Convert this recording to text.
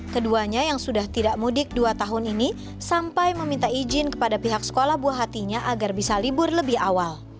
keduanya yang sudah tidak mudik dua tahun ini sampai meminta izin kepada pihak sekolah buah hatinya agar bisa libur lebih awal